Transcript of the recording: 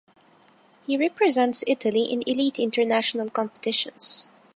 He represents Italy in elite international competitions.